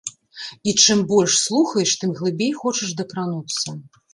І чым больш слухаеш, тым глыбей хочаш дакрануцца.